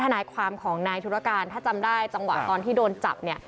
ทนายความของนายธุรการถ้าจำได้จังหวะตอนที่โดนจับเนี่ย